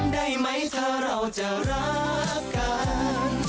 ได้ไหมถ้าเราจะรักกัน